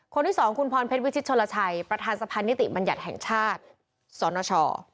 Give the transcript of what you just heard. คนที่สองคุณพรเพชรวิชิตชนลชัยประธานสะพานนิติบัญญัติแห่งชาติสนช